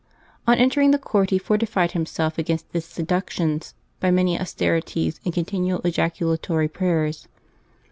On en tering the court he fortified himself against its seductions by many austerities and continual ejaculatory prayers.